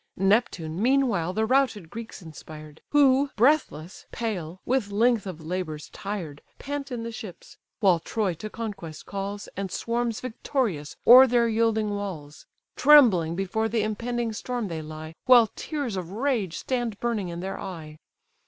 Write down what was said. Neptune meanwhile the routed Greeks inspired; Who, breathless, pale, with length of labours tired, Pant in the ships; while Troy to conquest calls, And swarms victorious o'er their yielding walls: Trembling before the impending storm they lie, While tears of rage stand burning in their eye.